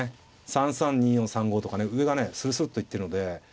３三２四３五とかね上がねスルスルッと行ってるので。